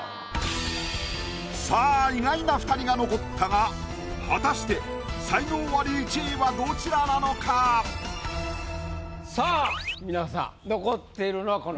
さあ意外な二人が残ったが果たして才能アリ１位はどちらなのか⁉さあ皆さん残っているのはこの二人。